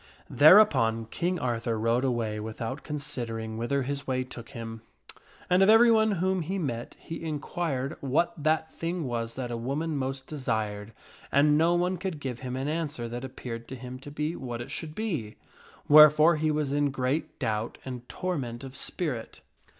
Thereupon King Arthur rode away J^Jrf/* 1 * without considering whither his way took him. And of every knight. one whom he met he inquired what that thing was that a woman most desired, and no one could give him an answer that appeared to him to be w,hat it should be, wherefore he was in great doubt and torment of spirit.